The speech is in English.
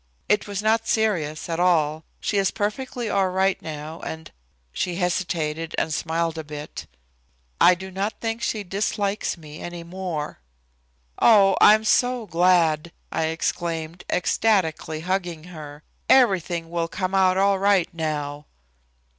It was not serious at all. She is perfectly all right now and" she hesitated and smiled a bit "I do not think she dislikes me any more." "Oh, I'm so glad!" I exclaimed, ecstatically hugging her. "Everything will come out all right now."